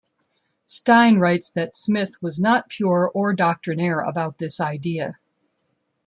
Stein writes that Smith was not pure or doctrinaire about this idea.